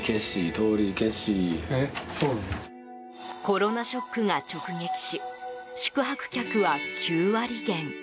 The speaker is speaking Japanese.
コロナショックが直撃し宿泊客は９割減。